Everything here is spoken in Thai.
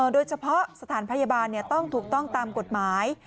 โดยเฉพาะสถานพยาบาลต้องถูกต้องตามกฎหมาย